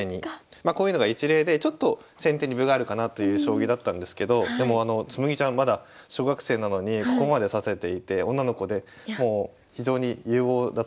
まあこういうのが一例でちょっと先手に分があるかなという将棋だったんですけどでもあの紬ちゃんまだ小学生なのにここまで指せていて女の子でもう非常に有望だと思います。